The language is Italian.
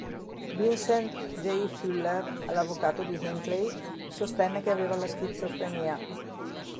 Vincent J. Fuller, l'avvocato di Hinckley, sostenne che aveva la schizofrenia.